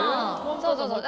そうそうそう。